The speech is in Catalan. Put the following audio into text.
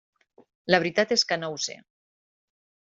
La veritat és que no ho sé.